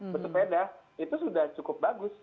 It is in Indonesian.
bersepeda itu sudah cukup bagus